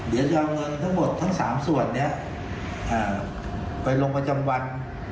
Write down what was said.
เดี๋ยวจะเอาเงินทั้งหมดทั้ง๓ส่วนนี้ไปลงประจำวัน